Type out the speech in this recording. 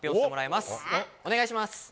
お願いします。